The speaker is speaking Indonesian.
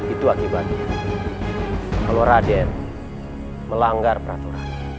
itu akibatnya kalau raden melanggar peraturan